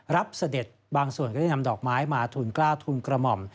เสด็จบางส่วนก็ได้นำดอกไม้มาทุนกล้าทุนกระหม่อม